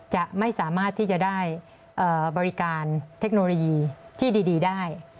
จะไม่สามารถที่จะได้บริการเทคโนโลยีที่ดีได้